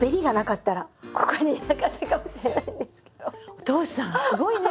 お父さんすごいね！